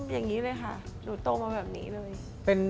อย่างนี้เลยค่ะหนูโตมาแบบนี้เลย